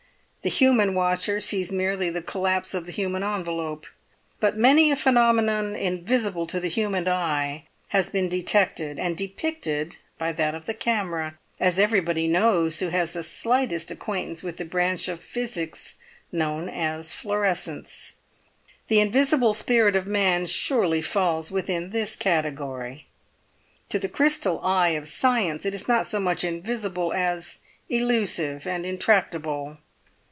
The human watcher sees merely the collapse of the human envelope; but many a phenomenon invisible to the human eye has been detected and depicted by that of the camera, as everybody knows who has the slightest acquaintance with the branch of physics known as 'fluorescence.' The invisible spirit of man surely falls within this category. To the crystal eye of science it is not so much invisible as elusive and intractable.